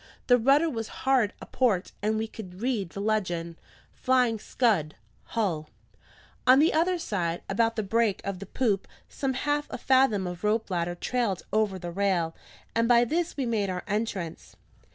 The rudder was hard aport, and we could read the legend: FLYING SCUD HULL On the other side, about the break of the poop, some half a fathom of rope ladder trailed over the rail, and by this we made our entrance.